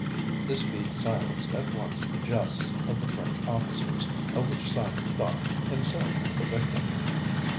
This feat silenced at once the jests of the French officers, of which Simon thought himself the victim.